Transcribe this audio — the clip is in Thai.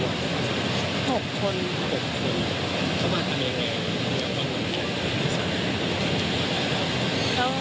สำหรับทุกคนกี่คนไปรู้มั้ยค่ะ